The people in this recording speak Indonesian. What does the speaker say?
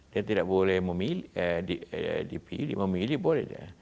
dia tidak boleh dipilih memilih boleh